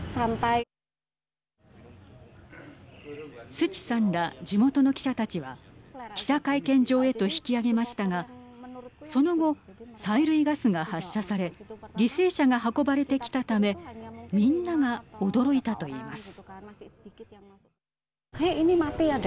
スチさんら地元の記者たちは記者会見場へと引き上げましたがその後、催涙ガスが発射され犠牲者が運ばれてきたためみんなが驚いたと言います。